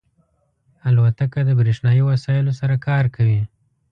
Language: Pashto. الوتکه د بریښنایی وسایلو سره کار کوي.